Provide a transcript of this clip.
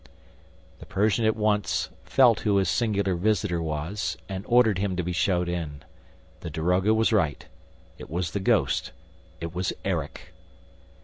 The Persian at once felt who his singular visitor was and ordered him to be shown in. The daroga was right. It was the ghost, it was Erik!